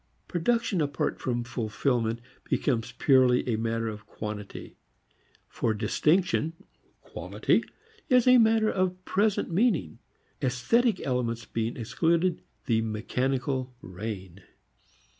Production apart from fulfilment becomes purely a matter of quantity; for distinction, quality, is a matter of present meaning. Esthetic elements being excluded, the mechanical reign.